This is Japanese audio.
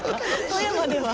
富山では。